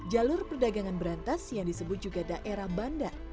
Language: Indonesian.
jalur perdagangan berantas yang disebut juga daerah bandar